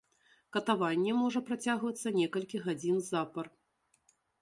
Катаванне можа працягвацца некалькі гадзін запар.